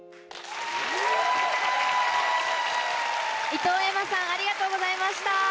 伊藤愛真さんありがとうございました。